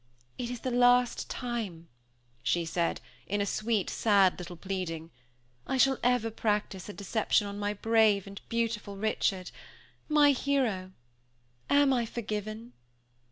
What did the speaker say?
"It is the last time," she said, in a sweet sad little pleading, "I shall ever practice a deception on my brave and beautiful Richard my hero! Am I forgiven?"